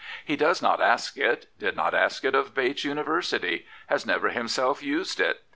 He does not ask it, did not ask it of Bates University, has never himself used it.